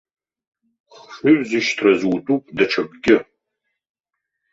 Хшыҩзышьҭра азутәуп даҽакгьы.